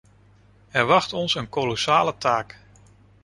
Er wacht ons een kolossale taak.